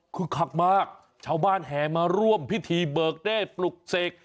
คือคักมากชาวบ้านแห่มาร่วมพิธีเบิกเด้ปลุกเสก